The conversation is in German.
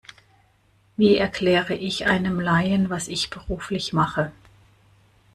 Wie erkläre ich einem Laien, was ich beruflich mache?